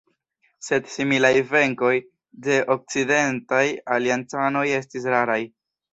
Sed similaj venkoj de okcidentaj aliancanoj estis raraj.